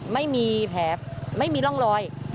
ไม่มีแผลไม่มีร่องรอย